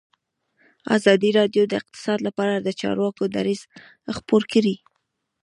ازادي راډیو د اقتصاد لپاره د چارواکو دریځ خپور کړی.